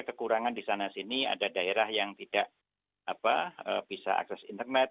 kekurangan di sana sini ada daerah yang tidak bisa akses internet